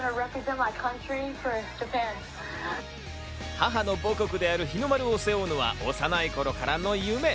母の母国である日の丸を背負うのは幼い頃からの夢。